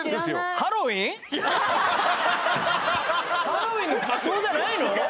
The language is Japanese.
ハロウィンの仮装じゃないの？